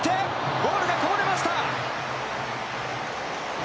ボールがこぼれました。